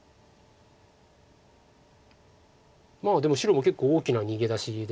まあでも白も結構大きな逃げ出しです。